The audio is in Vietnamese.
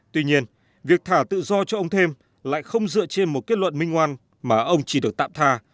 tuy nhiên việc thả tự do cho ông thêm lại không dựa trên một kết luận minh ngoan mà ông chỉ được tạm tha